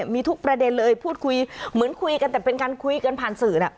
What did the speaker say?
มีทุกประเด็นเลยพูดคุยเหมือนคุยกันแต่เป็นการคุยกันผ่านสื่อ